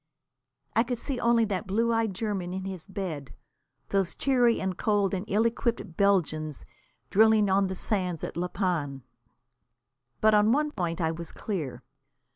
I could see only that blue eyed German in his bed, those cheery and cold and ill equipped Belgians drilling on the sands at La Panne. But on one point I was clear.